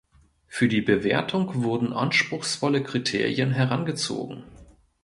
Für die Bewertung wurden anspruchsvolle Kriterien herangezogen.